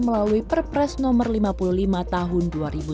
melalui perpres no lima puluh lima tahun dua ribu sembilan belas